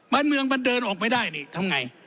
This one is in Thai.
เมืองมันเดินออกไม่ได้นี่ทำไง